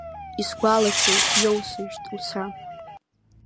Исгәалашәоит, иоусыжьт уца!